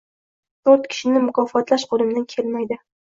“Toʻrt kishini mukofotlash qoʻlimdan kelmaydi: